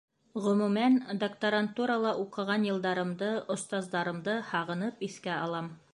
Ғөмүмән, докторантурала уҡыған йылдарымды, остаздарымды һағынып иҫкә алам.